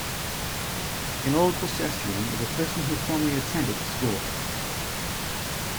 An Old Colcestrian is a person who formerly attended the school.